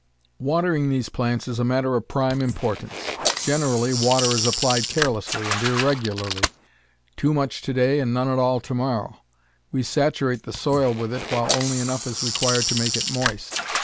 Watering these plants is a matter of prime importance. Generally water is applied carelessly and irregularly too much to day, and none at all to morrow. We saturate the soil with it while only enough is required to make it moist.